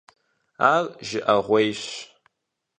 Ар жыӀэгъуейщ.